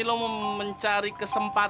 lu mencari kesempatan